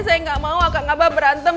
saya gak mau kang abah berantem